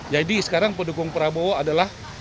jadi sekarang pendukung prabowo adalah